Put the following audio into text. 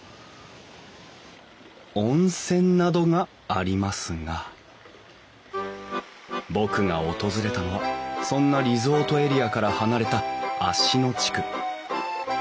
温泉などがありますが僕が訪れたのはそんなリゾートエリアから離れた芦野地区。